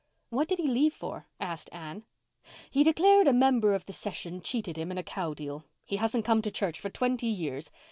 "What did he leave for?" asked Anne. "He declared a member of the session cheated him in a cow deal. He hasn't come to church for twenty years.